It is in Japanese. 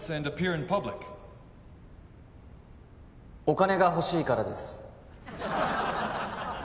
お金がほしいからです